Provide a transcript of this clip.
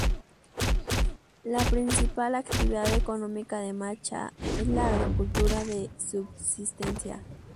La principal actividad económica de Macha es la agricultura de subsistencia.